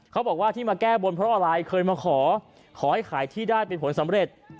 เขาบอกว่าที่มาแก้บนเพราะอะไรเคยมาขอขอให้ขายที่ได้เป็นผลสำเร็จ